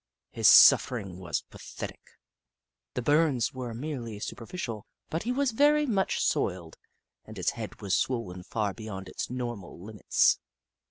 His suffering was pathetic. The burns were merely superficial, but he was very much soiled, and his head was swollen far beyond its normal limits.